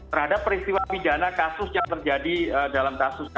terhadap peristiwa pidana kasus yang terjadi dalam kasus ini